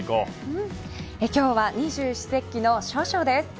今日は二十四節気の処暑です。